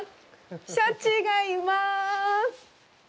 シャチがいまーす。